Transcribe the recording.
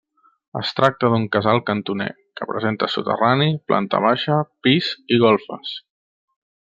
Es tracta d'un casal cantoner que presenta soterrani, planta baixa, pis i golfes.